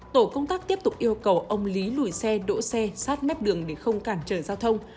tổ công tác tiếp tục yêu cầu ông lý lùi xe đỗ xe sát mép đường để không cản trở giao thông